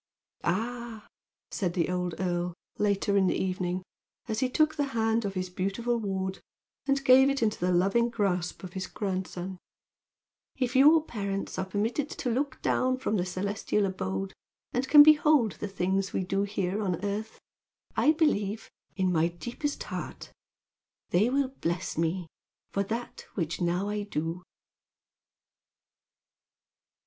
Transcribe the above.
"Ah," said the old earl, later in the evening, as he took the hand of his beautiful ward and gave it into the loving grasp of his grandson, "If your parents are permitted to look down from the celestial abode, and can behold the things we do here on earth, I believe, in my deepest heart, they will bless me for that which now I do!"